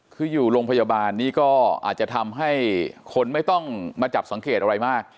คืออยู่โรงพยาบาลนี้ก็อาจจะทำให้คนไม่ต้องมาจับสังเกตอะไรมาก